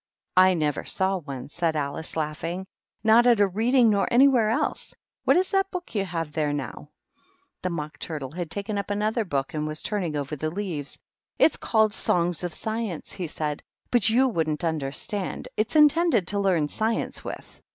"/ never saw one," said Alice, laughing. " Not at a Reading nor anywhere else. What is that book you have there now?" The Mock Turtle had taken up another book, and was turning over the leaves. "It's called 224 THE MOCK TURTLE. * Songs of Sciencej " he said ;" but you wouldn't understand it. It's intended to learn science with."